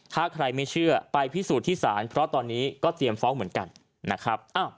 ถ้าใครไม่เชื่อไปพิสูจน์ที่ศาลเพราะตอนนี้ก็เตรียมฟ้องเหมือนกันนะครับ